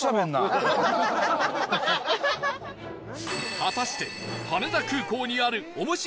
果たして羽田空港にあるおもしろ